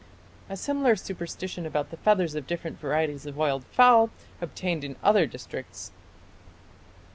A similar superstition about the feathers of different varieties of wild fowl obtained in other districts.